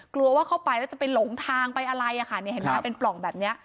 กลัวว่าเข้าไปแล้วจะไปหลงทางไปอะไรอ่ะค่ะนี่เห็นไหมเป็นปล่องแบบนี้